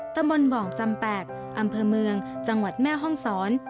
ตำบลบ่องจำแปลกอำเภอเมืองจังหวัดแม่ห้องศร